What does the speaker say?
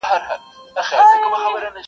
په لک ئې نه نيسي، په کک ئې ونيسي-